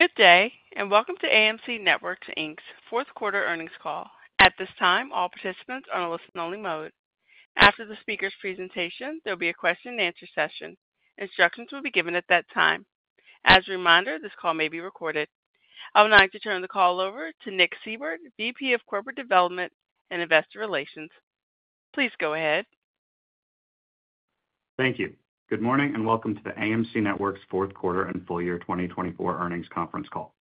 Good day, and welcome to AMC Networks Inc's Fourth Quarter Earnings Call. At this time, all participants are in a listen-only mode. After the speaker's presentation, there will be a question-and-answer session. Instructions will be given at that time. As a reminder, this call may be recorded. I would like to turn the call over to Nick Seibert, VP of Corporate Development and Investor Relations. Please go ahead. Thank you. Good morning, and welcome to the AMC Networks Fourth Quarter and Full Year 2024 Earnings Conference Call.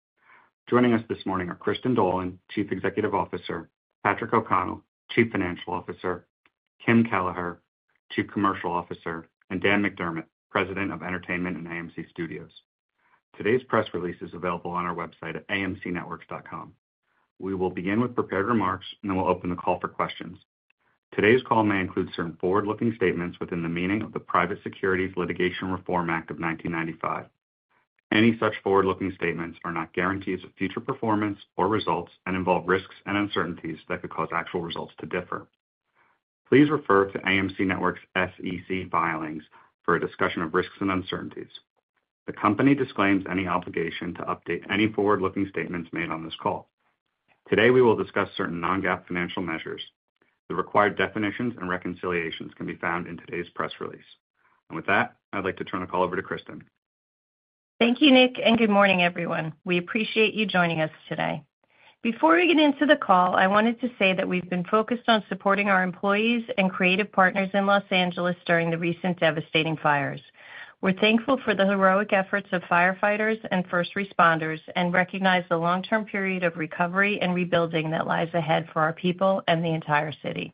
Joining us this morning are Kristin Dolan, Chief Executive Officer, Patrick O’Connell, Chief Financial Officer, Kim Kelleher, Chief Commercial Officer, and Dan McDermott, President of Entertainment of AMC Studios. Today's press release is available on our website at amcnetworks.com. We will begin with prepared remarks, and then we'll open the call for questions. Today's call may include certain forward-looking statements within the meaning of the Private Securities Litigation Reform Act of 1995. Any such forward-looking statements are not guarantees of future performance or results and involve risks and uncertainties that could cause actual results to differ. Please refer to AMC Networks' SEC filings for a discussion of risks and uncertainties. The company disclaims any obligation to update any forward-looking statements made on this call. Today, we will discuss certain non-GAAP financial measures. The required definitions and reconciliations can be found in today's press release. And with that, I'd like to turn the call over to Kristin. Thank you, Nick, and good morning, everyone. We appreciate you joining us today. Before we get into the call, I wanted to say that we've been focused on supporting our employees and creative partners in Los Angeles during the recent devastating fires. We're thankful for the heroic efforts of firefighters and first responders and recognize the long-term period of recovery and rebuilding that lies ahead for our people and the entire city.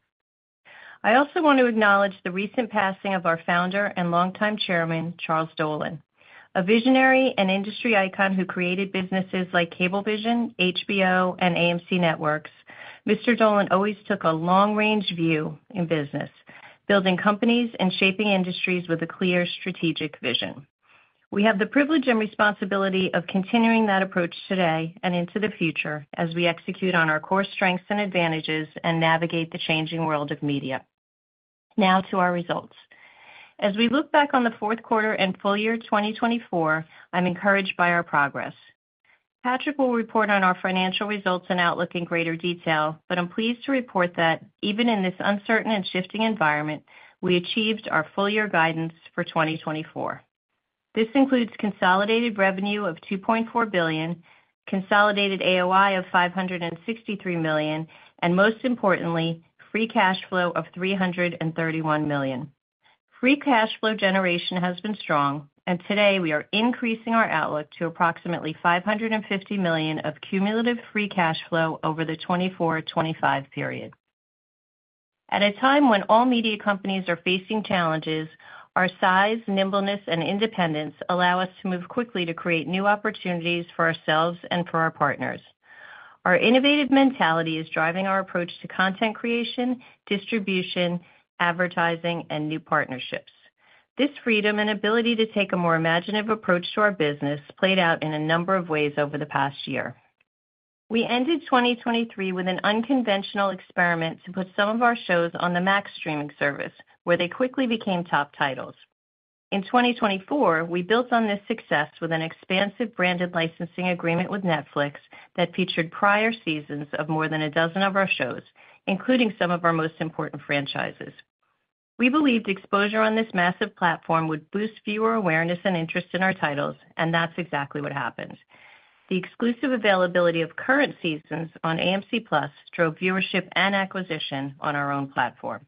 I also want to acknowledge the recent passing of our founder and longtime chairman, Charles Dolan, a visionary and industry icon who created businesses like Cablevision, HBO, and AMC Networks. Mr. Dolan always took a long-range view in business, building companies and shaping industries with a clear strategic vision. We have the privilege and responsibility of continuing that approach today and into the future as we execute on our core strengths and advantages and navigate the changing world of media. Now to our results. As we look back on the fourth quarter and full year 2024, I'm encouraged by our progress. Patrick will report on our financial results and outlook in greater detail, but I'm pleased to report that even in this uncertain and shifting environment, we achieved our full year guidance for 2024. This includes consolidated revenue of $2.4 billion, consolidated AOI of $563 million, and most importantly, free cash flow of $331 million. Free cash flow generation has been strong, and today we are increasing our outlook to approximately $550 million of cumulative free cash flow over the 2024-2025 period. At a time when all media companies are facing challenges, our size, nimbleness, and independence allow us to move quickly to create new opportunities for ourselves and for our partners. Our innovative mentality is driving our approach to content creation, distribution, advertising, and new partnerships. This freedom and ability to take a more imaginative approach to our business played out in a number of ways over the past year. We ended 2023 with an unconventional experiment to put some of our shows on the Max streaming service, where they quickly became top titles. In 2024, we built on this success with an expansive branded licensing agreement with Netflix that featured prior seasons of more than a dozen of our shows, including some of our most important franchises. We believed exposure on this massive platform would boost viewer awareness and interest in our titles, and that's exactly what happened. The exclusive availability of current seasons on AMC+ drove viewership and acquisition on our own platform.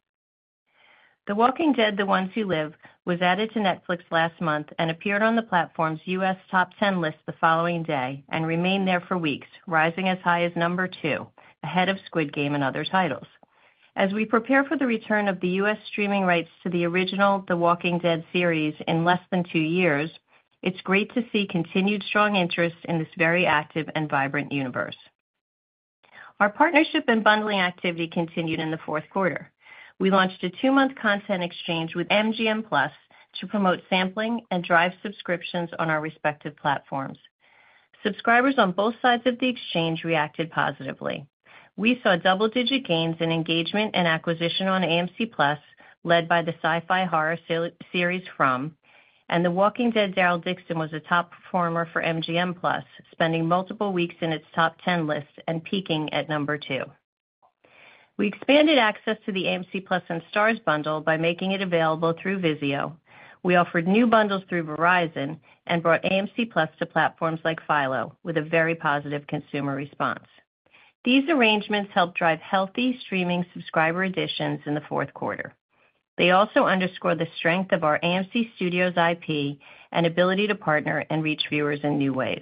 The Walking Dead: The Ones Who Live was added to Netflix last month and appeared on the platform's U.S. top 10 list the following day and remained there for weeks, rising as high as number two, ahead of Squid Game and other titles. As we prepare for the return of the U.S. streaming rights to the original The Walking Dead series in less than two years, it's great to see continued strong interest in this very active and vibrant universe. Our partnership and bundling activity continued in the fourth quarter. We launched a two-month content exchange with MGM+ to promote sampling and drive subscriptions on our respective platforms. Subscribers on both sides of the exchange reacted positively. We saw double-digit gains in engagement and acquisition on AMC+, led by the sci-fi horror series FROM, and The Walking Dead: Daryl Dixon was a top performer for MGM+, spending multiple weeks in its top 10 list and peaking at number two. We expanded access to the AMC+ and STARZ bundle by making it available through Vizio. We offered new bundles through Verizon and brought AMC+ to platforms like Philo, with a very positive consumer response. These arrangements helped drive healthy streaming subscriber additions in the fourth quarter. They also underscore the strength of our AMC Studios IP and ability to partner and reach viewers in new ways.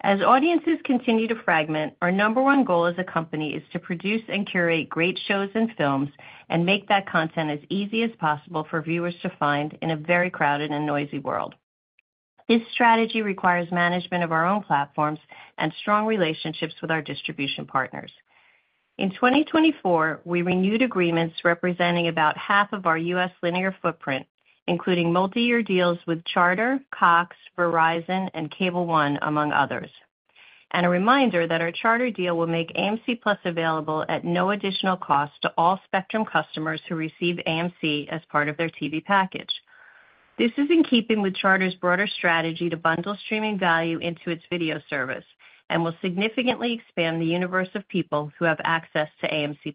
As audiences continue to fragment, our number one goal as a company is to produce and curate great shows and films and make that content as easy as possible for viewers to find in a very crowded and noisy world. This strategy requires management of our own platforms and strong relationships with our distribution partners. In 2024, we renewed agreements representing about half of our U.S. linear footprint, including multi-year deals with Charter, Cox, Verizon, and Cable One, among others. And a reminder that our Charter deal will make AMC+ available at no additional cost to all Spectrum customers who receive AMC as part of their TV package. This is in keeping with Charter's broader strategy to bundle streaming value into its video service and will significantly expand the universe of people who have access to AMC+.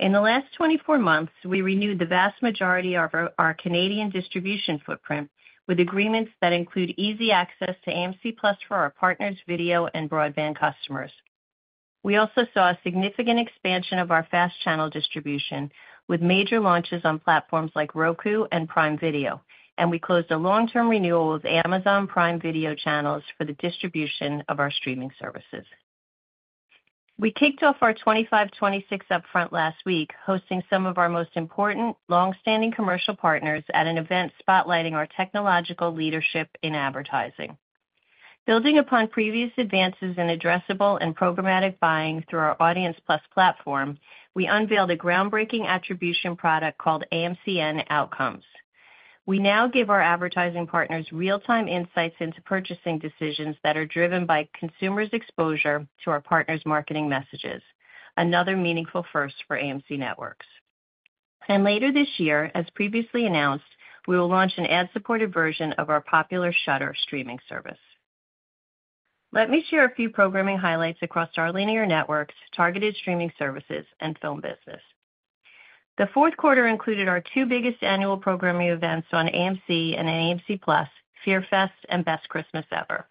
In the last 24 months, we renewed the vast majority of our Canadian distribution footprint with agreements that include easy access to AMC+ for our partners, video, and broadband customers. We also saw a significant expansion of our FAST channel distribution with major launches on platforms like Roku and Prime Video, and we closed a long-term renewal of Amazon Prime Video channels for the distribution of our streaming services. We kicked off our 2026 upfront last week, hosting some of our most important long-standing commercial partners at an event spotlighting our technological leadership in advertising. Building upon previous advances in addressable and programmatic buying through our Audience+ platform, we unveiled a groundbreaking attribution product called AMCN Outcomes. We now give our advertising partners real-time insights into purchasing decisions that are driven by consumers' exposure to our partners' marketing messages, another meaningful first for AMC Networks. Later this year, as previously announced, we will launch an ad-supported version of our popular Shudder streaming service. Let me share a few programming highlights across our linear networks, targeted streaming services, and film business. The fourth quarter included our two biggest annual programming events on AMC and AMC+, FearFest and Best Christmas Ever.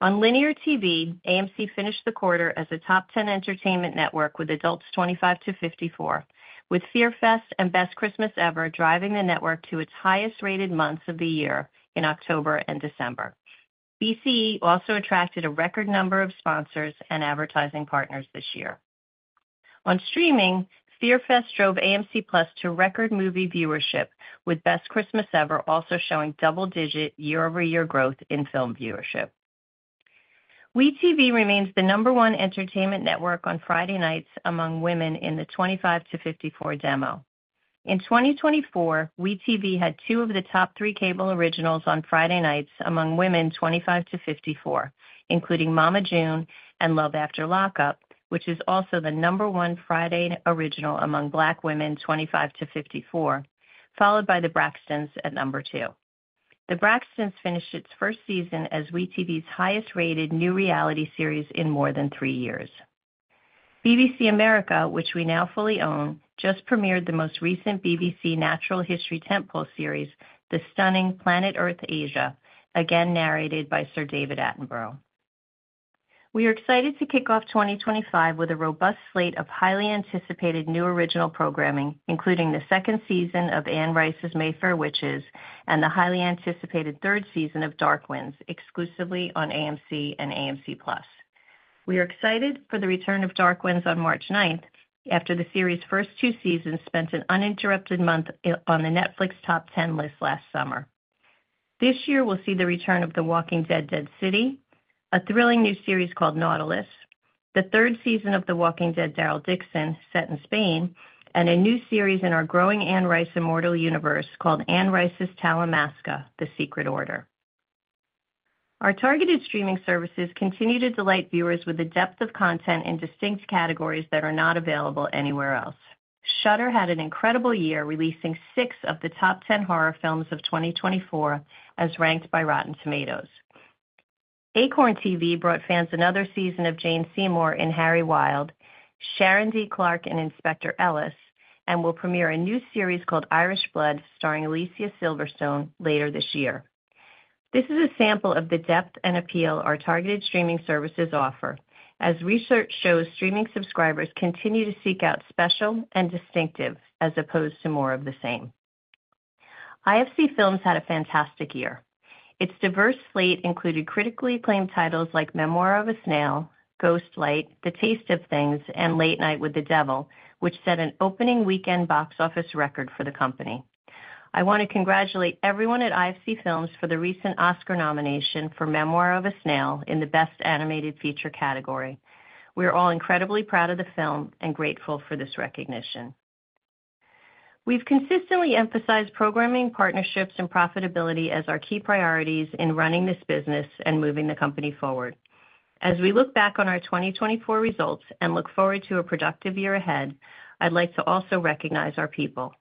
On linear TV, AMC finished the quarter as a top 10 entertainment network with adults 25 to 54, with FearFest and Best Christmas Ever driving the network to its highest-rated months of the year in October and December. BCE also attracted a record number of sponsors and advertising partners this year. On streaming, FearFest drove AMC+ to record movie viewership, with Best Christmas Ever also showing double-digit year-over-year growth in film viewership. We tv remains the number one entertainment network on Friday nights among women in the 25 to 54 demo. In 2024, WE tv had two of the top three cable originals on Friday nights among women 25 to 54, including Mama June and Love After Lockup, which is also the number one Friday original among Black women 25 to 54, followed by The Braxtons at number two. The Braxtons finished its first season as WE tv's highest-rated new reality series in more than three years. BBC America, which we now fully own, just premiered the most recent BBC natural history series, Asia, again narrated by Sir David Attenborough. We are excited to kick off 2025 with a robust slate of highly anticipated new original programming, including the second season of Anne Rice's Mayfair Witches, and the highly anticipated third season of Dark Winds, exclusively on AMC and AMC+. We are excited for the return of Dark Winds on March 9th, after the series' first two seasons spent an uninterrupted month on the Netflix top 10 list last summer. This year, we'll see the return of The Walking Dead: Dead City, a thrilling new series called Nautilus, the third season of The Walking Dead: Daryl Dixon, set in Spain, and a new series in our growing Anne Rice Immortal Universe called Anne Rice's Talamasca: The Secret Order. Our targeted streaming services continue to delight viewers with the depth of content in distinct categories that are not available anywhere else. Shudder had an incredible year, releasing six of the top 10 horror films of 2024, as ranked by Rotten Tomatoes. Acorn TV brought fans another season of Jane Seymour and Harry Wild, Sharon D. Clarke and Inspector Ellis, and will premiere a new series called Irish Blood, starring Alicia Silverstone, later this year. This is a sample of the depth and appeal our targeted streaming services offer, as research shows streaming subscribers continue to seek out special and distinctive, as opposed to more of the same. IFC Films had a fantastic year. Its diverse slate included critically acclaimed titles like Memoir of a Snail, Ghostlight, The Taste of Things, and Late Night with the Devil, which set an opening weekend box office record for the company. I want to congratulate everyone at IFC Films for the recent Oscar nomination for Memoir of a Snail in the Best Animated Feature category. We are all incredibly proud of the film and grateful for this recognition. We've consistently emphasized programming partnerships and profitability as our key priorities in running this business and moving the company forward. As we look back on our 2024 results and look forward to a productive year ahead, I'd like to also recognize our people.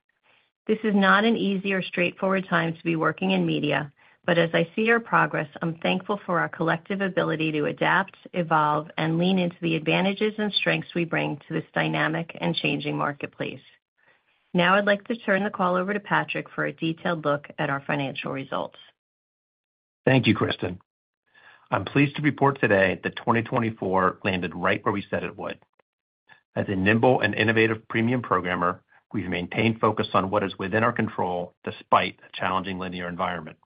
This is not an easy or straightforward time to be working in media, but as I see our progress, I'm thankful for our collective ability to adapt, evolve, and lean into the advantages and strengths we bring to this dynamic and changing marketplace. Now I'd like to turn the call over to Patrick for a detailed look at our financial results. Thank you, Kristin. I'm pleased to report today that 2024 landed right where we said it would. As a nimble and innovative premium programmer, we've maintained focus on what is within our control despite a challenging linear environment.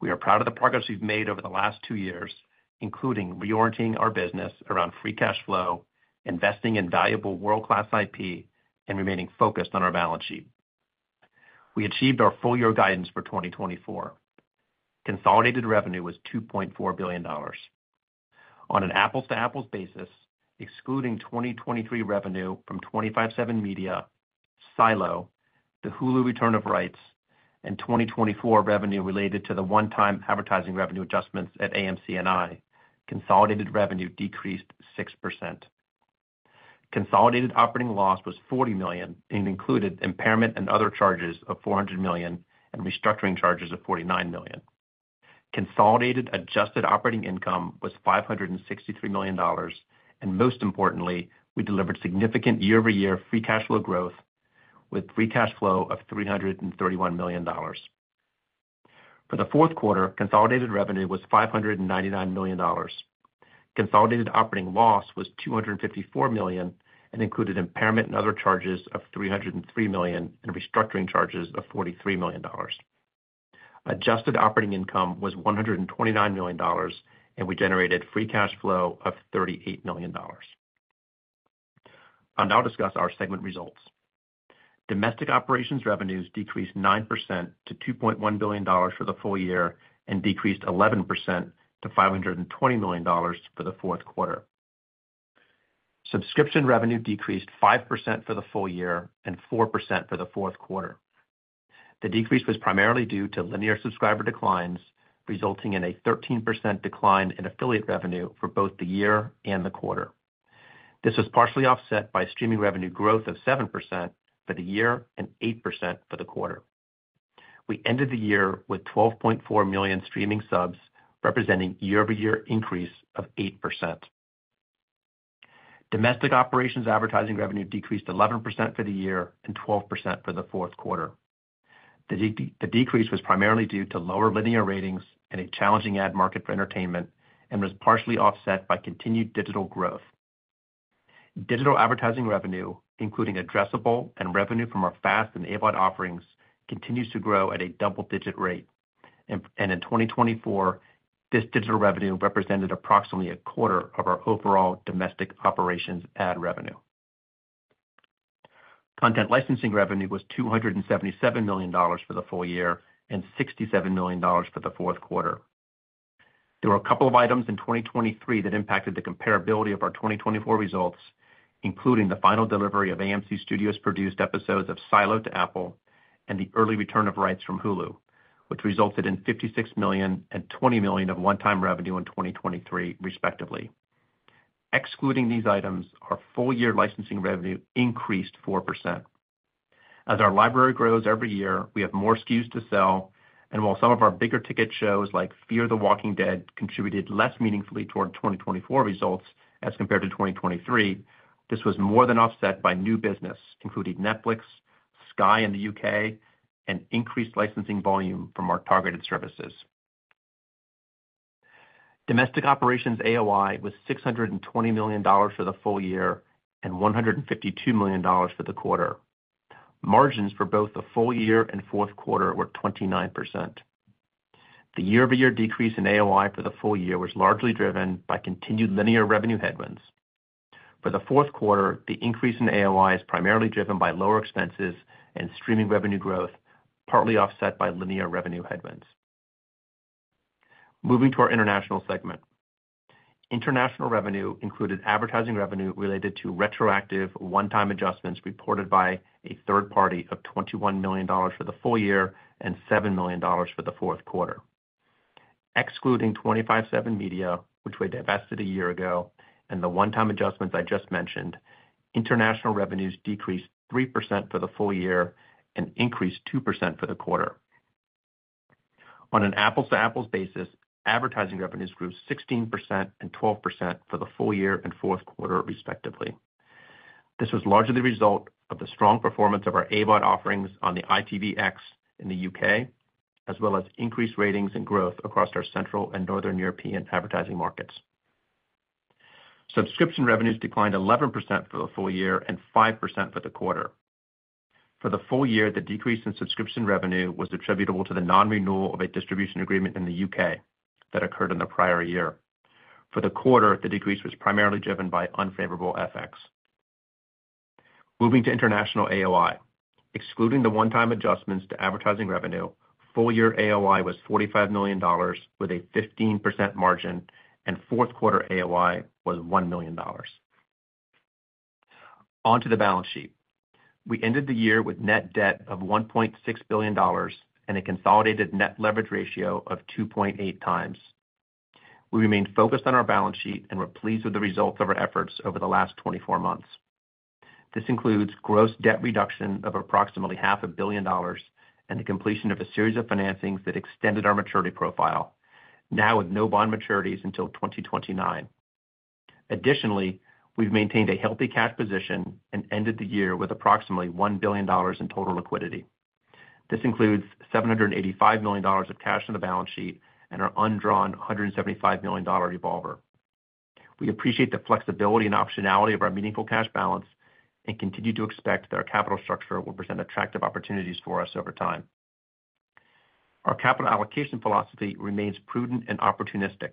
We are proud of the progress we've made over the last two years, including reorienting our business around free cash flow, investing in valuable world-class IP, and remaining focused on our balance sheet. We achieved our full year guidance for 2024. Consolidated revenue was $2.4 billion. On an apples-to-apples basis, excluding 2023 revenue from 25/7 Media, Silo, the Hulu return of rights, and 2024 revenue related to the one-time advertising revenue adjustments at AMC and IFC, consolidated revenue decreased 6%. Consolidated operating loss was $40 million and included impairment and other charges of $400 million and restructuring charges of $49 million. Consolidated adjusted operating income was $563 million, and most importantly, we delivered significant year-over-year free cash flow growth with free cash flow of $331 million. For the fourth quarter, consolidated revenue was $599 million. Consolidated operating loss was $254 million and included impairment and other charges of $303 million and restructuring charges of $43 million. Adjusted operating income was $129 million, and we generated free cash flow of $38 million. I'll now discuss our segment results. Domestic operations revenues decreased 9% to $2.1 billion for the full year and decreased 11% to $520 million for the fourth quarter. Subscription revenue decreased 5% for the full year and 4% for the fourth quarter. The decrease was primarily due to linear subscriber declines, resulting in a 13% decline in affiliate revenue for both the year and the quarter. This was partially offset by streaming revenue growth of 7% for the year and 8% for the quarter. We ended the year with 12.4 million streaming subs, representing year-over-year increase of 8%. Domestic operations advertising revenue decreased 11% for the year and 12% for the fourth quarter. The decrease was primarily due to lower linear ratings and a challenging ad market for entertainment, and was partially offset by continued digital growth. Digital advertising revenue, including addressable and revenue from our FAST and AVOD offerings, continues to grow at a double-digit rate, and in 2024, this digital revenue represented approximately a quarter of our overall domestic operations ad revenue. Content licensing revenue was $277 million for the full year and $67 million for the fourth quarter. There were a couple of items in 2023 that impacted the comparability of our 2024 results, including the final delivery of AMC Studios' produced episodes of Silo to Apple and the early return of rights from Hulu, which resulted in $56 million and $20 million of one-time revenue in 2023, respectively. Excluding these items, our full-year licensing revenue increased 4%. As our library grows every year, we have more SKUs to sell, and while some of our bigger ticket shows like Fear the Walking Dead contributed less meaningfully toward 2024 results as compared to 2023, this was more than offset by new business, including Netflix, Sky in the U.K., and increased licensing volume from our targeted services. Domestic operations AOI was $620 million for the full year and $152 million for the quarter. Margins for both the full year and fourth quarter were 29%. The year-over-year decrease in AOI for the full year was largely driven by continued linear revenue headwinds. For the fourth quarter, the increase in AOI is primarily driven by lower expenses and streaming revenue growth, partly offset by linear revenue headwinds. Moving to our international segment. International revenue included advertising revenue related to retroactive one-time adjustments reported by a third party of $21 million for the full year and $7 million for the fourth quarter. Excluding 25/7 Media, which we divested a year ago, and the one-time adjustments I just mentioned, international revenues decreased 3% for the full year and increased 2% for the quarter. On an apples-to-apples basis, advertising revenues grew 16% and 12% for the full year and fourth quarter, respectively. This was largely the result of the strong performance of our AOI offerings on the ITVX in the U.K., as well as increased ratings and growth across our Central and Northern European advertising markets. Subscription revenues declined 11% for the full year and 5% for the quarter. For the full year, the decrease in subscription revenue was attributable to the non-renewal of a distribution agreement in the U.K. that occurred in the prior year. For the quarter, the decrease was primarily driven by unfavorable FX. Moving to international AOI. Excluding the one-time adjustments to advertising revenue, full-year AOI was $45 million with a 15% margin, and fourth quarter AOI was $1 million. Onto the balance sheet. We ended the year with net debt of $1.6 billion and a consolidated net leverage ratio of 2.8 times. We remained focused on our balance sheet and were pleased with the results of our efforts over the last 24 months. This includes gross debt reduction of approximately $500 million and the completion of a series of financings that extended our maturity profile, now with no bond maturities until 2029. Additionally, we've maintained a healthy cash position and ended the year with approximately $1 billion in total liquidity. This includes $785 million of cash on the balance sheet and our undrawn $175 million revolver. We appreciate the flexibility and optionality of our meaningful cash balance and continue to expect that our capital structure will present attractive opportunities for us over time. Our capital allocation philosophy remains prudent and opportunistic.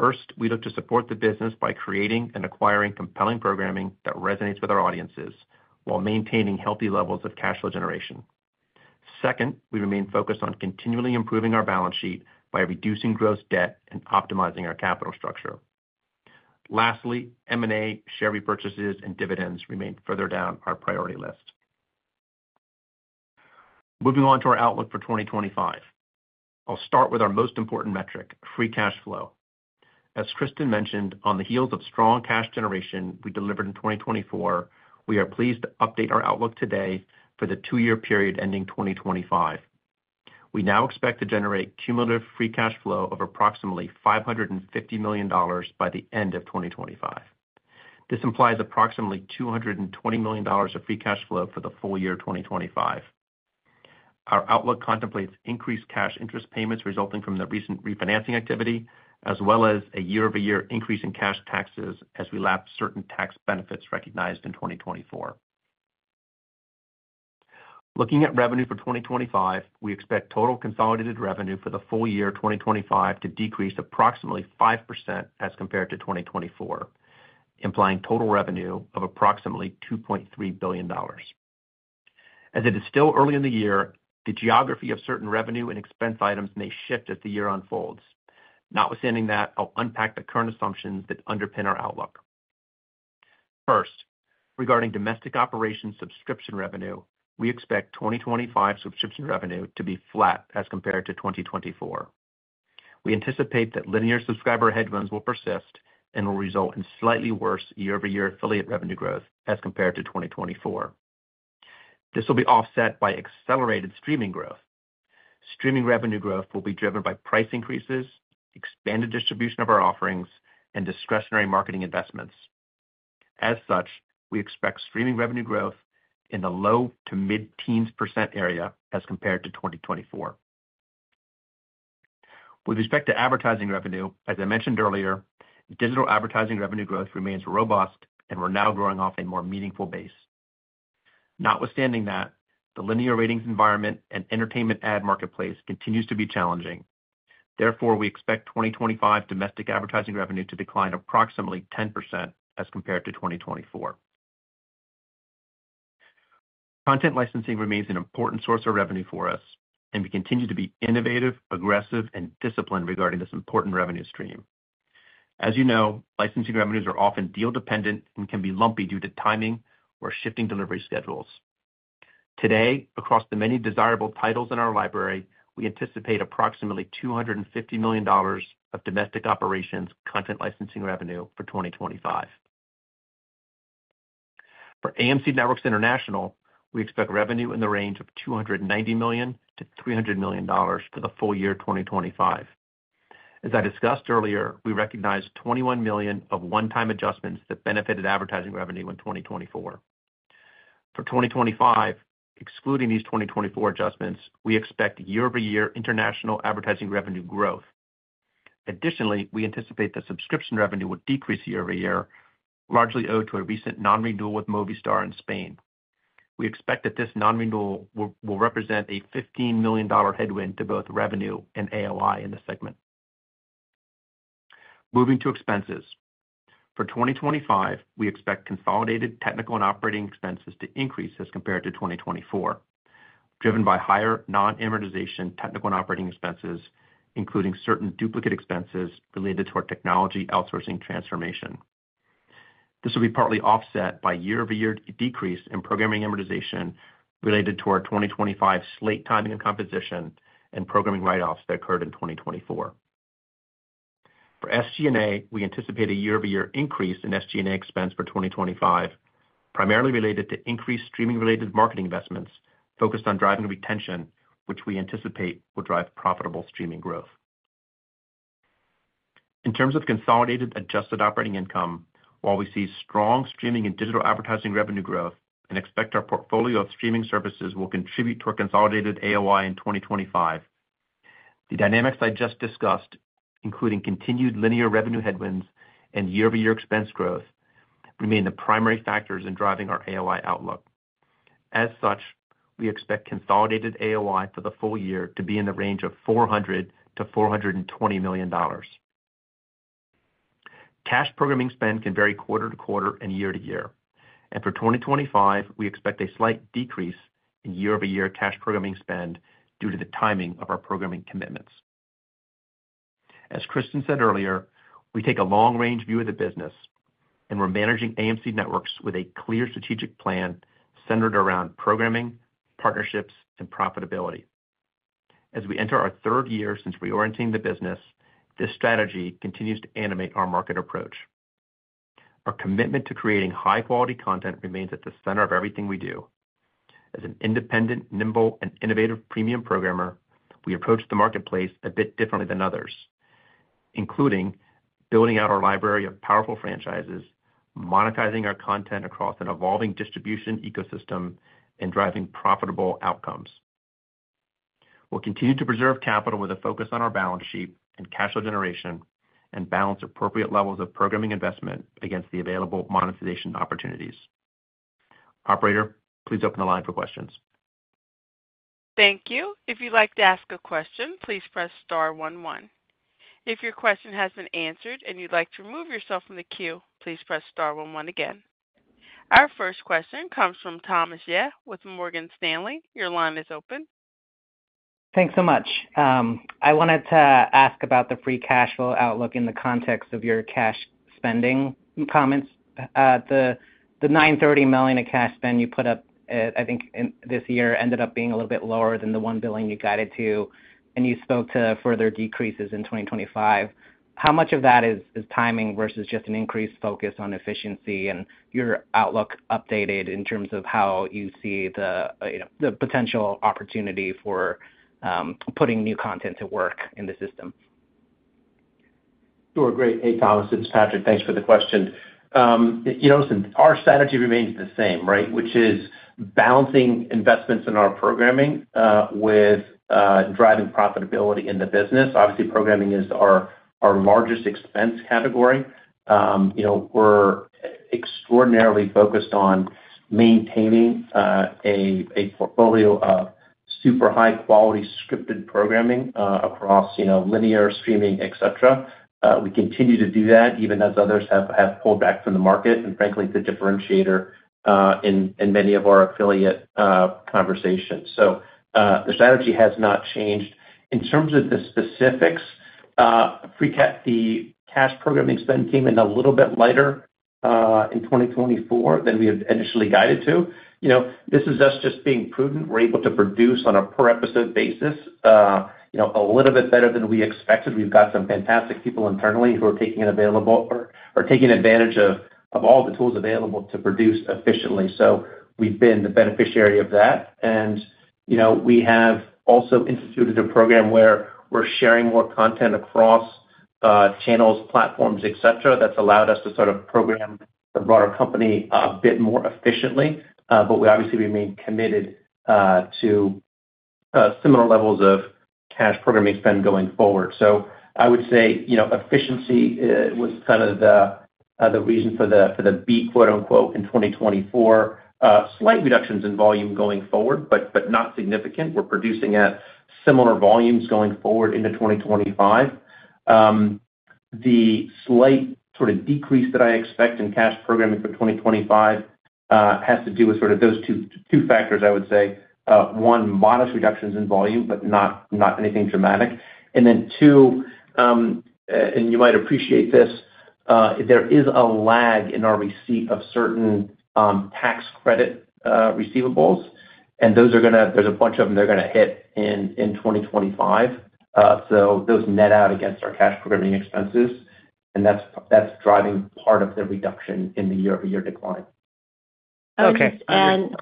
First, we look to support the business by creating and acquiring compelling programming that resonates with our audiences while maintaining healthy levels of cash flow generation. Second, we remain focused on continually improving our balance sheet by reducing gross debt and optimizing our capital structure. Lastly, M&A, share repurchases, and dividends remain further down our priority list. Moving on to our outlook for 2025. I'll start with our most important metric, free cash flow. As Kristin mentioned, on the heels of strong cash generation we delivered in 2024, we are pleased to update our outlook today for the two-year period ending 2025. We now expect to generate cumulative free cash flow of approximately $550 million by the end of 2025. This implies approximately $220 million of free cash flow for the full year 2025. Our outlook contemplates increased cash interest payments resulting from the recent refinancing activity, as well as a year-over-year increase in cash taxes as we lapse certain tax benefits recognized in 2024. Looking at revenue for 2025, we expect total consolidated revenue for the full year 2025 to decrease approximately 5% as compared to 2024, implying total revenue of approximately $2.3 billion. As it is still early in the year, the geography of certain revenue and expense items may shift as the year unfolds. Notwithstanding that, I'll unpack the current assumptions that underpin our outlook. First, regarding domestic operations subscription revenue, we expect 2025 subscription revenue to be flat as compared to 2024. We anticipate that linear subscriber headwinds will persist and will result in slightly worse year-over-year affiliate revenue growth as compared to 2024. This will be offset by accelerated streaming growth. Streaming revenue growth will be driven by price increases, expanded distribution of our offerings, and discretionary marketing investments. As such, we expect streaming revenue growth in the low to mid-teens % area as compared to 2024. With respect to advertising revenue, as I mentioned earlier, digital advertising revenue growth remains robust and we're now growing off a more meaningful base. Notwithstanding that, the linear ratings environment and entertainment ad marketplace continues to be challenging. Therefore, we expect 2025 domestic advertising revenue to decline approximately 10% as compared to 2024. Content licensing remains an important source of revenue for us, and we continue to be innovative, aggressive, and disciplined regarding this important revenue stream. As you know, licensing revenues are often deal-dependent and can be lumpy due to timing or shifting delivery schedules. Today, across the many desirable titles in our library, we anticipate approximately $250 million of domestic operations content licensing revenue for 2025. For AMC Networks International, we expect revenue in the range of $290 million-$300 million for the full year 2025. As I discussed earlier, we recognize $21 million of one-time adjustments that benefited advertising revenue in 2024. For 2025, excluding these 2024 adjustments, we expect year-over-year international advertising revenue growth. Additionally, we anticipate that subscription revenue will decrease year-over-year, largely owed to a recent non-renewal with Movistar in Spain. We expect that this non-renewal will represent a $15 million headwind to both revenue and AOI in the segment. Moving to expenses. For 2025, we expect consolidated technical and operating expenses to increase as compared to 2024, driven by higher non-amortization technical and operating expenses, including certain duplicate expenses related to our technology outsourcing transformation. This will be partly offset by year-over-year decrease in programming amortization related to our 2025 slate timing and composition and programming write-offs that occurred in 2024. For SG&A, we anticipate a year-over-year increase in SG&A expense for 2025, primarily related to increased streaming-related marketing investments focused on driving retention, which we anticipate will drive profitable streaming growth. In terms of consolidated adjusted operating income, while we see strong streaming and digital advertising revenue growth and expect our portfolio of streaming services will contribute to our consolidated AOI in 2025, the dynamics I just discussed, including continued linear revenue headwinds and year-over-year expense growth, remain the primary factors in driving our AOI outlook. As such, we expect consolidated AOI for the full year to be in the range of $400-$420 million. Cash programming spend can vary quarter to quarter and year to year. And for 2025, we expect a slight decrease in year-over-year cash programming spend due to the timing of our programming commitments. As Kristin said earlier, we take a long-range view of the business, and we're managing AMC Networks with a clear strategic plan centered around programming, partnerships, and profitability. As we enter our third year since reorienting the business, this strategy continues to animate our market approach. Our commitment to creating high-quality content remains at the center of everything we do. As an independent, nimble, and innovative premium programmer, we approach the marketplace a bit differently than others, including building out our library of powerful franchises, monetizing our content across an evolving distribution ecosystem, and driving profitable outcomes. We'll continue to preserve capital with a focus on our balance sheet and cash flow generation and balance appropriate levels of programming investment against the available monetization opportunities. Operator, please open the line for questions. Thank you. If you'd like to ask a question, please press star one one. If your question has been answered and you'd like to remove yourself from the queue, please press star one one again. Our first question comes from Thomas Yeh with Morgan Stanley. Your line is open. Thanks so much. I wanted to ask about the free cash flow outlook in the context of your cash spending comments. The $930 million of cash spend you put up, I think, this year ended up being a little bit lower than the $1 billion you guided to, and you spoke to further decreases in 2025. How much of that is timing versus just an increased focus on efficiency? And your outlook updated in terms of how you see the potential opportunity for putting new content to work in the system? Sure. Great. Hey, Thomas. It's Patrick. Thanks for the question. Our strategy remains the same, right, which is balancing investments in our programming with driving profitability in the business. Obviously, programming is our largest expense category. We're extraordinarily focused on maintaining a portfolio of super high-quality scripted programming across linear streaming, etc. We continue to do that even as others have pulled back from the market and, frankly, the differentiator in many of our affiliate conversations. So the strategy has not changed. In terms of the specifics, the cash programming spend came in a little bit lighter in 2024 than we had initially guided to. This is us just being prudent. We're able to produce on a per-episode basis a little bit better than we expected. We've got some fantastic people internally who are taking advantage of all the tools available to produce efficiently. So we've been the beneficiary of that. We have also instituted a program where we're sharing more content across channels, platforms, etc. That's allowed us to sort of program the broader company a bit more efficiently. We obviously remain committed to similar levels of cash programming spend going forward. I would say efficiency was kind of the reason for the beat, quote-unquote, in 2024. Slight reductions in volume going forward, but not significant. We're producing at similar volumes going forward into 2025. The slight sort of decrease that I expect in cash programming for 2025 has to do with sort of those two factors, I would say. One, modest reductions in volume, but not anything dramatic. Two, and you might appreciate this, there is a lag in our receipt of certain tax credit receivables, and those are going to hit in 2025. There's a bunch of them. So those net out against our cash programming expenses, and that's driving part of the reduction in the year-over-year decline. Okay. And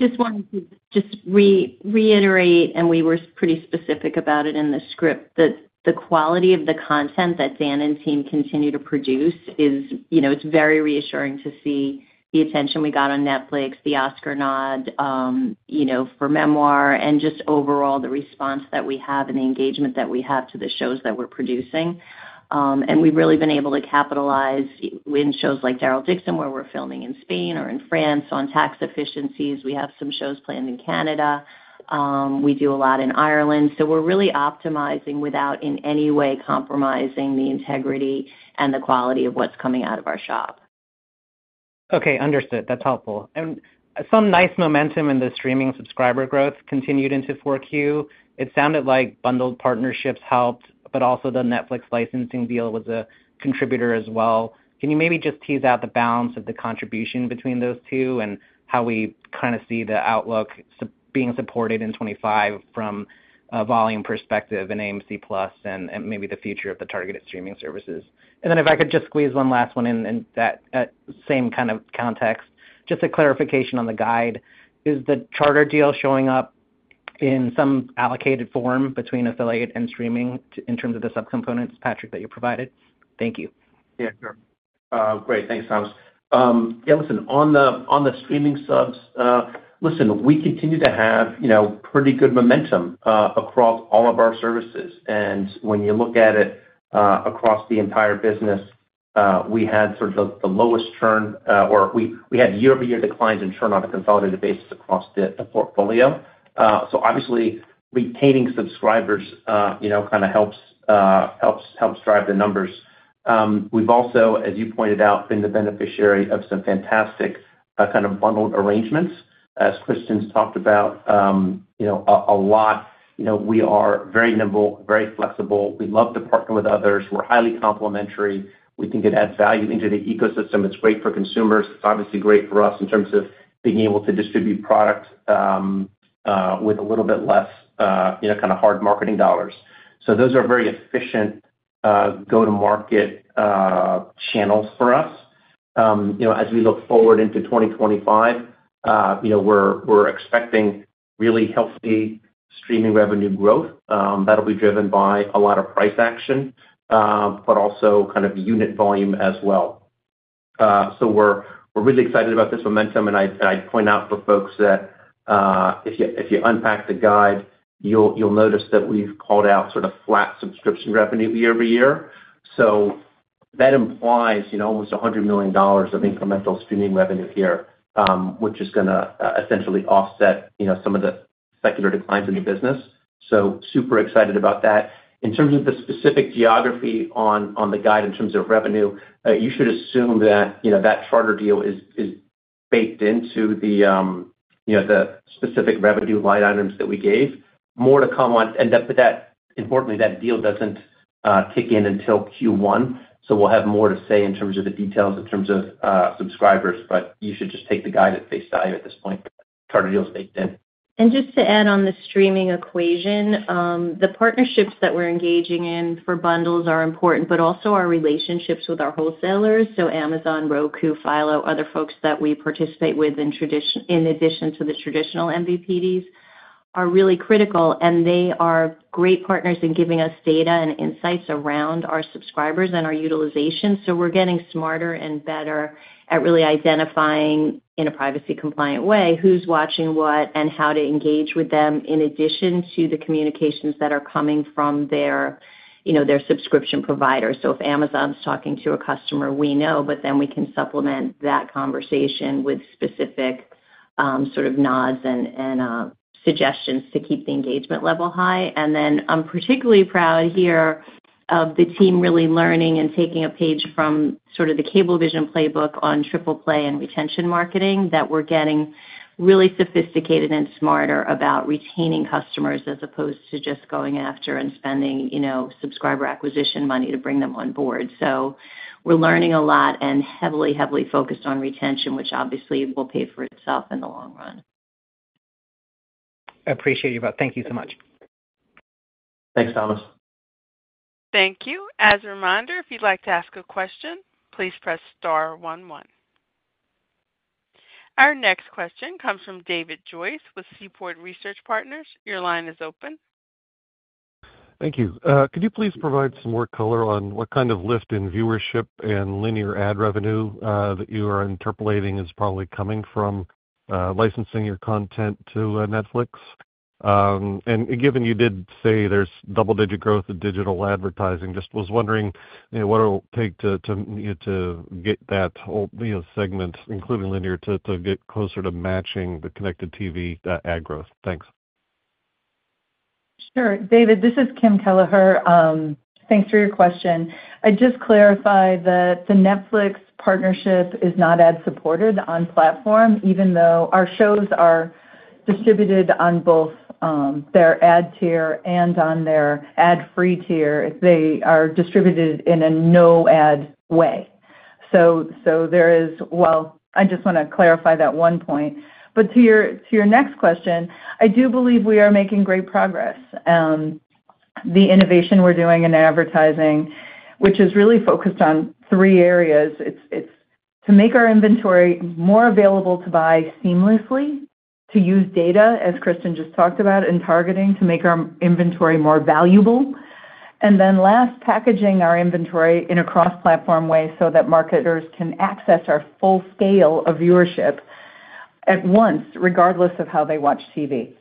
just wanted to reiterate, and we were pretty specific about it in the script, that the quality of the content that Dan and team continue to produce is, it's very reassuring to see the attention we got on Netflix, the Oscar nod for Memoir, and just overall the response that we have and the engagement that we have to the shows that we're producing. And we've really been able to capitalize in shows like Daryl Dixon, where we're filming in Spain or in France on tax efficiencies. We have some shows planned in Canada. We do a lot in Ireland. So we're really optimizing without in any way compromising the integrity and the quality of what's coming out of our shop. Okay. Understood. That's helpful. And some nice momentum in the streaming subscriber growth continued into Q4. It sounded like bundled partnerships helped, but also the Netflix licensing deal was a contributor as well. Can you maybe just tease out the balance of the contribution between those two and how we kind of see the outlook being supported in 2025 from a volume perspective in AMC+ and maybe the future of the targeted streaming services? And then if I could just squeeze one last one in that same kind of context, just a clarification on the guide. Is the Charter deal showing up in some allocated form between affiliate and streaming in terms of the subcomponents, Patrick, that you provided? Thank you. Yeah. Sure. Great. Thanks, Thomas. Yeah. Listen, on the streaming subs, we continue to have pretty good momentum across all of our services. When you look at it across the entire business, we had sort of the lowest churn, or we had year-over-year declines in churn on a consolidated basis across the portfolio. So obviously, retaining subscribers kind of helps drive the numbers. We've also, as you pointed out, been the beneficiary of some fantastic kind of bundled arrangements, as Kristin's talked about a lot. We are very nimble, very flexible. We love to partner with others. We're highly complementary. We can get added value into the ecosystem. It's great for consumers. It's obviously great for us in terms of being able to distribute product with a little bit less kind of hard marketing dollars. So those are very efficient go-to-market channels for us. As we look forward into 2025, we're expecting really healthy streaming revenue growth. That'll be driven by a lot of price action, but also kind of unit volume as well. So we're really excited about this momentum. And I'd point out for folks that if you unpack the guide, you'll notice that we've called out sort of flat subscription revenue year-over-year. So that implies almost $100 million of incremental streaming revenue here, which is going to essentially offset some of the secular declines in the business. So super excited about that. In terms of the specific geography on the guide in terms of revenue, you should assume that that Charter deal is baked into the specific revenue line items that we gave. More to come on. And importantly, that deal doesn't kick in until Q1. So we'll have more to say in terms of the details in terms of subscribers, but you should just take the guide at face value at this point. Charter deal is baked in. And just to add on the streaming equation, the partnerships that we're engaging in for bundles are important, but also our relationships with our wholesalers, so Amazon, Roku, Philo, other folks that we participate with in addition to the traditional MVPDs are really critical, and they are great partners in giving us data and insights around our subscribers and our utilization, so we're getting smarter and better at really identifying in a privacy-compliant way who's watching what and how to engage with them in addition to the communications that are coming from their subscription providers, so if Amazon's talking to a customer, we know, but then we can supplement that conversation with specific sort of nods and suggestions to keep the engagement level high. And then I'm particularly proud here of the team really learning and taking a page from sort of the Cablevision Playbook on triple play and retention marketing that we're getting really sophisticated and smarter about retaining customers as opposed to just going after and spending subscriber acquisition money to bring them on board. So we're learning a lot and heavily, heavily focused on retention, which obviously will pay for itself in the long run. Appreciate your help. Thank you so much. Thanks, Thomas. Thank you. As a reminder, if you'd like to ask a question, please press star one one. Our next question comes from David Joyce with Seaport Research Partners. Your line is open. Thank you. Could you please provide some more color on what kind of lift in viewership and linear ad revenue that you are interpolating is probably coming from licensing your content to Netflix? Given you did say there's double-digit growth in digital advertising, just was wondering what it'll take to get that segment, including linear, to get closer to matching the connected TV ad growth? Thanks. Sure. David, this is Kim Kelleher. Thanks for your question. I'd just clarify that the Netflix partnership is not ad-supported on platform, even though our shows are distributed on both their ad tier and on their ad-free tier. They are distributed in a no-ad way. So there is, well, I just want to clarify that one point. To your next question, I do believe we are making great progress. The innovation we're doing in advertising, which is really focused on three areas, it's to make our inventory more available to buy seamlessly, to use data, as Kristin just talked about, and targeting to make our inventory more valuable. And then last, packaging our inventory in a cross-platform way so that marketers can access our full scale of viewership at once, regardless of how they watch TV.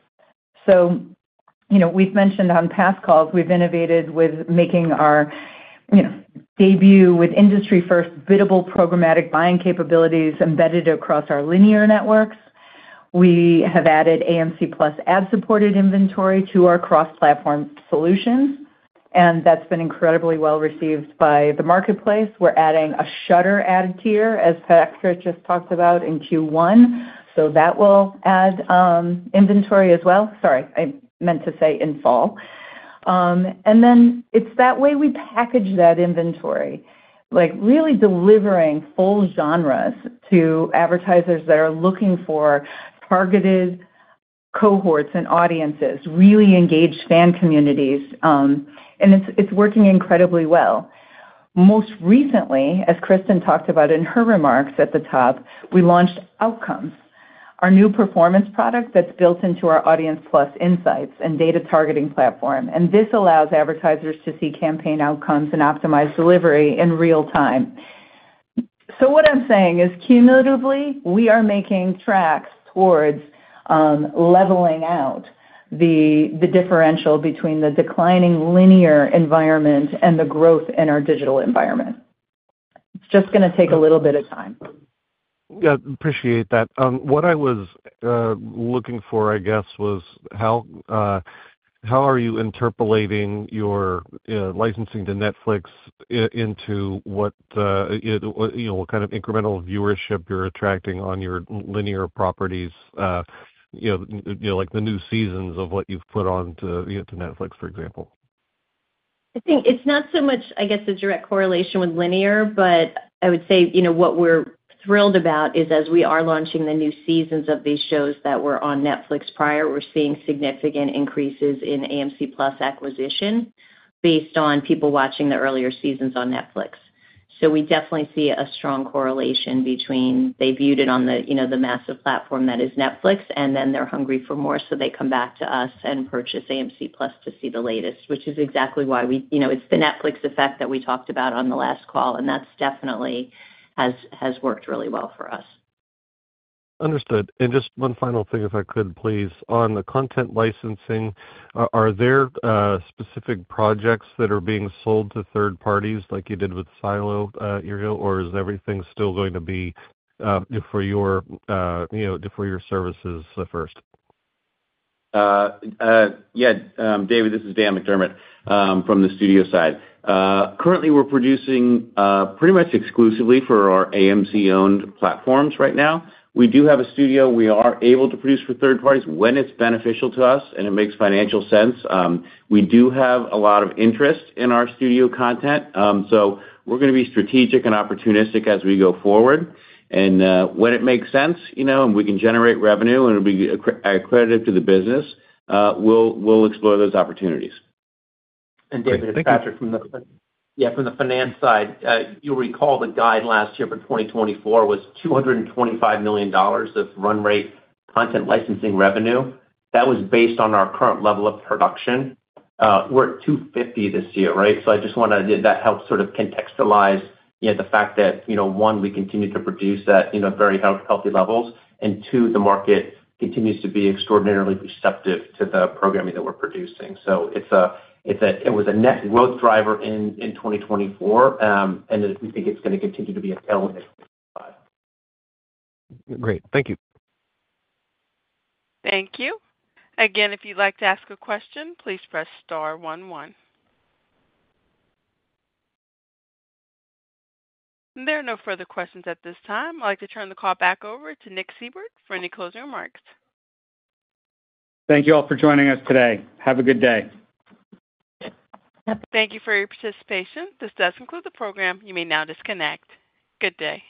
So we've mentioned on past calls, we've innovated with making our debut with industry-first biddable programmatic buying capabilities embedded across our linear networks. We have added AMC+ ad-supported inventory to our cross-platform solutions, and that's been incredibly well received by the marketplace. We're adding a Shudder ad tier, as Patrick just talked about in Q1. So that will add inventory as well. Sorry, I meant to say in fall. And then it's that way we package that inventory, really delivering full genres to advertisers that are looking for targeted cohorts and audiences, really engaged fan communities. And it's working incredibly well. Most recently, as Kristin talked about in her remarks at the top, we launched Outcomes, our new performance product that's built into our Audience+ Insights and data targeting platform, and this allows advertisers to see campaign outcomes and optimize delivery in real time, so what I'm saying is, cumulatively, we are making tracks towards leveling out the differential between the declining linear environment and the growth in our digital environment. It's just going to take a little bit of time. Yeah. Appreciate that. What I was looking for, I guess, was how are you interpolating your licensing to Netflix into what kind of incremental viewership you're attracting on your linear properties, like the new seasons of what you've put on to Netflix, for example? I think it's not so much, I guess, a direct correlation with linear, but I would say what we're thrilled about is, as we are launching the new seasons of these shows that were on Netflix prior, we're seeing significant increases in AMC+ acquisition based on people watching the earlier seasons on Netflix. So we definitely see a strong correlation between they viewed it on the massive platform that is Netflix, and then they're hungry for more, so they come back to us and purchase AMC+ to see the latest, which is exactly why it's the Netflix effect that we talked about on the last call, and that definitely has worked really well for us. Understood. And just one final thing, if I could, please. On the content licensing, are there specific projects that are being sold to third parties like you did with Silo deal, or is everything still going to be for your services first? Yeah. David, this is Dan McDermott from the studio side. Currently, we're producing pretty much exclusively for our AMC-owned platforms right now. We do have a studio. We are able to produce for third parties when it's beneficial to us, and it makes financial sense. We do have a lot of interest in our studio content. So we're going to be strategic and opportunistic as we go forward. And when it makes sense and we can generate revenue and it'll be attributed to the business, we'll explore those opportunities. And David, Patrick, from the finance side, you'll recall the guide last year for 2024 was $225 million of run rate content licensing revenue. That was based on our current level of production. We're at 250 this year, right? So I just wanted to—that helps sort of contextualize the fact that, one, we continue to produce at very healthy levels, and two, the market continues to be extraordinarily receptive to the programming that we're producing. So it was a net growth driver in 2024, and we think it's going to continue to be a tailwind in 2025. Great. Thank you. Thank you. Again, if you'd like to ask a question, please press star one one. There are no further questions at this time. I'd like to turn the call back over to Nick Seibert for any closing remarks. Thank you all for joining us today. Have a good day. Thank you for your participation. This does conclude the program. You may now disconnect. Good day.